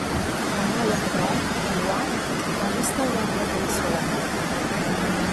En arrière-plan, au loin, on distingue un voilier sur la mer.